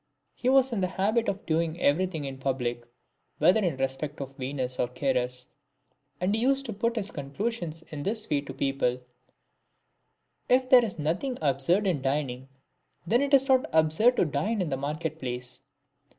He was in the habit of doing everything in public, whether in respect of Venus or Ceres ; and he used to put his conclusions in this way to people :" If there is nothing absurd in dining, then it is not absurd to dine in the market place.